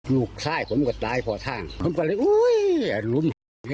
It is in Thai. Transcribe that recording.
ลูกทรายผมกว่าตายพอทางเขาก็เลยอุ๊ยหลุม